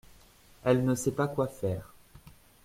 Elle ne sait pas quoi faire.